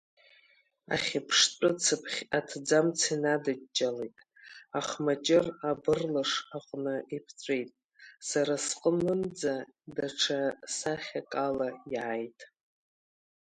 Ахьԥштәы цԥхь аҭӡамц инадҷҷалеит, ахмаҷыр абырлыш аҟны иԥҵәеит, сара сҟнынӡа даҽа сахьак ала иааит.